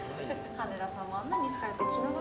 ・羽田さんもあんなんに好かれて気の毒